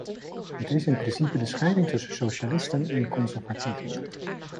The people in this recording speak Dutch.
Het is in principe de scheiding tussen socialisten en conservatieven.